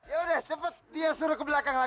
yaudah cepet dia suruh ke belakang lagi